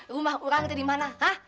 rumah orang itu dimana ha